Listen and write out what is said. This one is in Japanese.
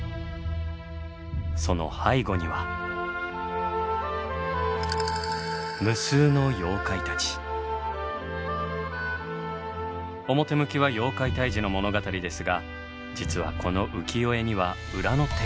その背後には表向きは妖怪退治の物語ですが実はこの浮世絵には裏のテーマが。